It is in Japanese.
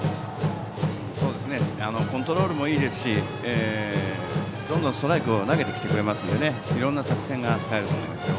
コントロールもいいですしどんどんストライクを投げてきてくれますのでいろんな作戦が使えると思いますよ。